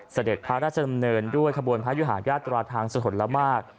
เสด็จพระราชดำเนินด้วยขบวนพระยุหาญาตราทางสถลมาก